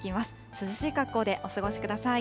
涼しい格好でお過ごしください。